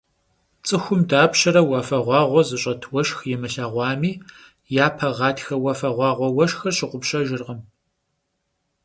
Ts'ıxum dapşere vuafeğuağue zış'et vueşşx yimılheğuami, yape ğatxe vuafeğuağue vueşşxır şığupşejjırkhım.